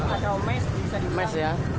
atau mes bisa dipang